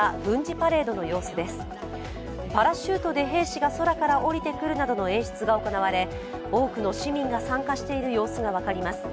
パラシュートで兵士が空から下りてくるなどの演出が行われ多くの市民が参加している様子が分かります。